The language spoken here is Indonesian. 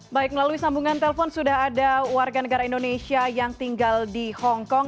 baik melalui sambungan telpon sudah ada warga negara indonesia yang tinggal di hongkong